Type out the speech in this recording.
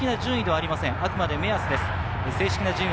あくまで目安です。